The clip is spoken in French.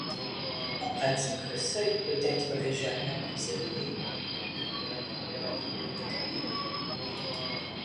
En pratique, le seuil peut être légérement plus élevé.